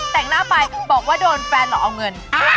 แต่งหน้าไปบอกว่าโดนแฟนเหรอเอาเงิน